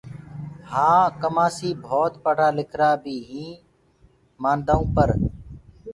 ڪآ ڪمآسيٚ هآن ڀوت پڙهرآ لکرآ بيٚ هينٚ مآندآئو پر